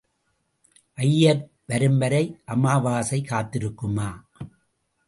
ஐயர் வரும்வரை அமாவாசை காத்திருக்குமா?